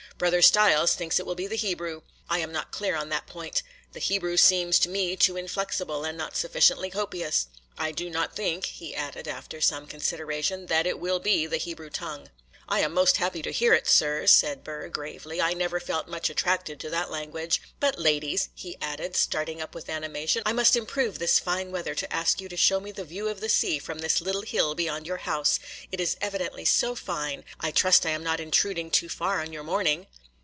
Brother Stiles thinks it will be the Hebrew. I am not clear on that point. The Hebrew seems to me too inflexible, and not sufficiently copious. I do not think,' he added, after some consideration, 'that it will be the Hebrew tongue.' 'I am most happy to hear it, sir,' said Burr, gravely; 'I never felt much attracted to that language. But, ladies,' he added, starting up with animation, 'I must improve this fine weather to ask you to show me the view of the sea from this little hill beyond your house, it is evidently so fine;—I trust I am not intruding too far on your morning?